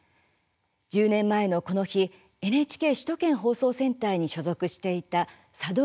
１０年前のこの日ＮＨＫ首都圏放送センターに所属していた佐戸